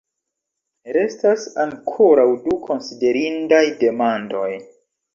Restas ankoraŭ du konsiderindaj demandoj.